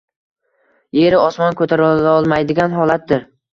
yer-u osmon ko‘tarolmaydigan holatdir.